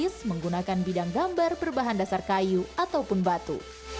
ini adalah karya seni yang disebut dengan bidang gambar berbahan dasar kayu ataupun batu